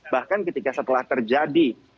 bahkan ketika setelah terjadi